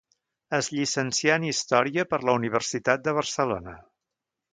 Es llicencià en Història per la Universitat de Barcelona.